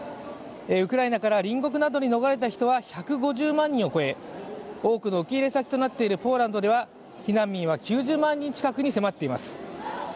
ウクライナから隣国などに逃れた人は１５０万人を超え多くの受け入れ先となっているポーランドでは、避難民は９０万人近くに迫っています。